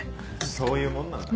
そういうもんなんだ？